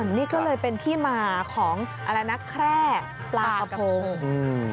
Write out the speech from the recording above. อันนี้ก็เลยเป็นที่มาของนักแคร่ปลากระพง